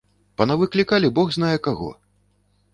Панавыклікалі бог знае каго.